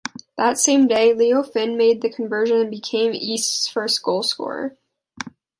That same day, Leo Finn made the conversion and became Easts first goal scorer.